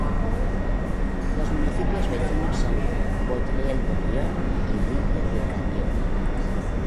Los municipios vecinos son Vaudreuil-Dorion y L'Île-Cadieux.